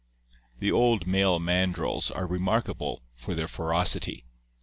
The old male mandrills (PL XXV) are remarkable for their ferocity.